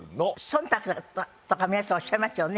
忖度とか皆さんおっしゃいますよね。